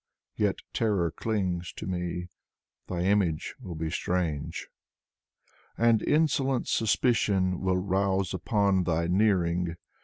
Yet terror clings to me. Thy image will be strange. And insolent suspicion will rouse upon Thy nearing.